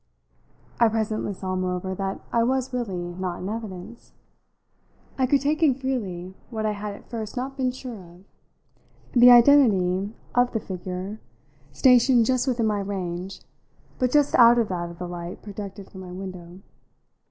I presently saw moreover that I was really not in evidence: I could take in freely what I had at first not been sure of, the identity of the figure stationed just within my range, but just out of that of the light projected from my window.